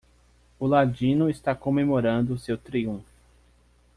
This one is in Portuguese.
O ladino está comemorando seu triunfo.